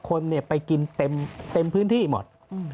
คนไปกินเต็มพื้นที่หมด